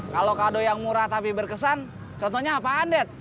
kalau kado yang murah tapi berkesan contohnya apaan det